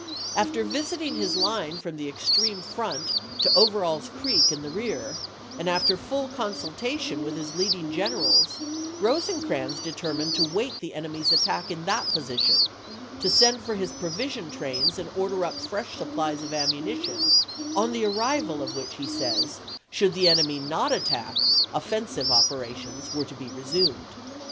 After visit ^^^1^1;' ing his line from the extreme front to Overall's Creek in the rear, and after full consultation with his leading generals, Rosecrans determined to wait the enemy's attack in that position ; to send for his provision trains and order up fresh supplies of ammunition, " on the arrival of which," he says, " should the enemy not attack, offensive operations were to be resumed."